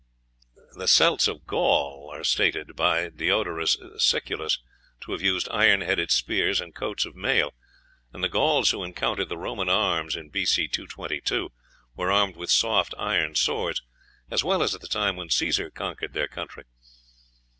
The Celts of Gaul are stated by Diodorus Siculus to have used iron headed spears and coats of mail, and the Gauls who encountered the Roman arms in B.C. 222 were armed with soft iron swords, as well as at the time when Cæsar conquered their country.